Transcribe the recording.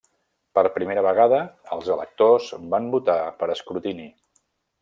Per primera vegada els electors van votar per escrutini.